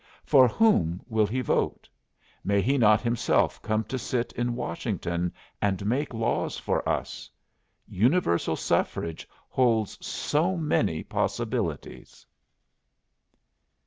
For whom will he vote? May he not himself come to sit in Washington and make laws for us? Universal suffrage holds so many possibilities.